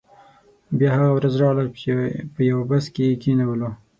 بیا هغه ورځ راغله چې په یو بس کې یې کینولو.